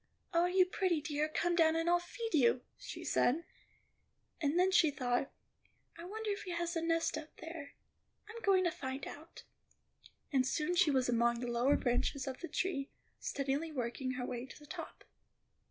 "Oh, you pretty dear, come down and I'll feed you," she said; and then she thought, "I wonder if he has a nest up there; I'm going to find out." And soon she was among the lower branches of the tree, steadily working her way to the top.